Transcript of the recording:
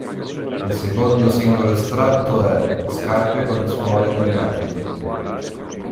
Il secondo singolo estratto è "Scarpe con suole di vento".